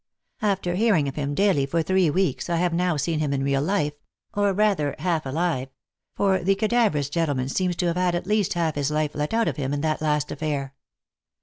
After hearing of him daily for three weeks, I have now seen him in real life, or rather, half alive; for the cadaverous gentleman seems to have had at least half his life let out of him in that last affair.